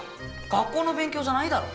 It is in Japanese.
学校の勉強じゃないだろ。